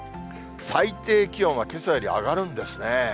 最低気温はけさより上がるんですね。